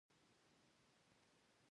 پۀ نولس سوه دوه اويا يم کال کښې